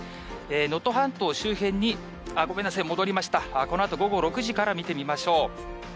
能登半島周辺に、あっ、ごめんなさい、戻りました、このあと午後６時から見てみましょう。